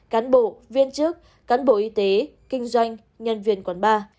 cán bộ viên chức cán bộ y tế kinh doanh nhân viên quản ba